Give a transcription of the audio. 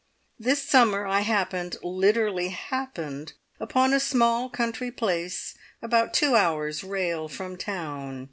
"This summer I happened literally happened! upon a small country place about two hours' rail from town.